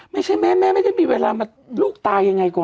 ไม่ใช่แม่แม่ไม่ได้มีเวลามาลูกตายยังไงก่อน